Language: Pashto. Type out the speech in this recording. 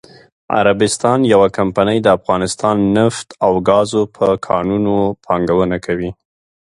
عربستان یوه کمپنی دافغانستان نفت او ګازو په کانونو پانګونه کوي.😱